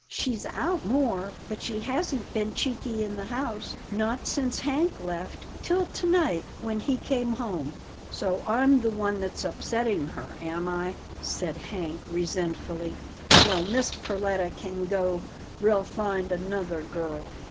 " She's out more, but she hasn't been cheeky in the house, not since Hank left, till to night when he came home." " So I'm the one that's upsetting her, am I ?" said Hank resentfully, " well Miss Perletta can go. ril find another girl."